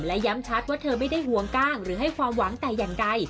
และย้ำชัดว่าเธอไม่ได้ห่วงกล้างหรือให้ความหวังแต่อย่างใด